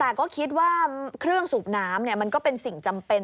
แต่ก็คิดว่าเครื่องสูบน้ำมันก็เป็นสิ่งจำเป็น